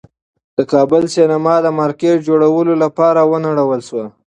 د کابل سینما د مارکېټ جوړولو لپاره ونړول شوه.